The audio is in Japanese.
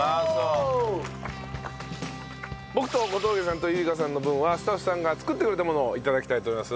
僕と小峠さんと由莉香さんの分はスタッフさんが作ってくれたものを頂きたいと思います。